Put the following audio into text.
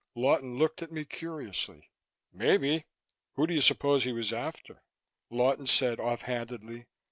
Lawton looked at me curiously. "Maybe." "Who do you suppose he was after?" Lawton said off handedly.